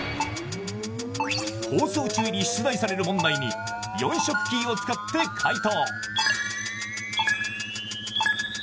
放送中に出題される問題に４色キーを使って解答。